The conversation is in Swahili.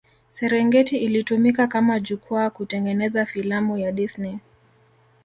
Serengeti ilitumika kama jukwaa kutengeneza filamu ya Disney